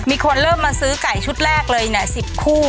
มีคนเริ่มมาซื้อไก่ชุดแรกเลย๑๐คู่